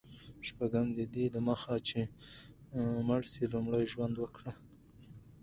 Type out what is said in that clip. شپږم: ددې دمخه چي مړ سې، لومړی ژوند وکړه.